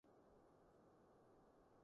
在世的意義就只是生存